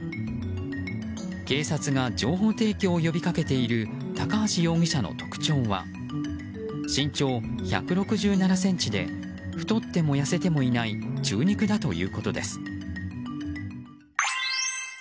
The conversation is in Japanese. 警察が情報提供を呼び掛けている高橋容疑者の特徴は身長１６７ｃｍで太っても痩せてもいない中肉だということです。